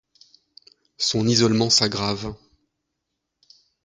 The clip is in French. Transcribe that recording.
Son isolement s’aggrave.